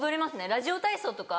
ラジオ体操とか。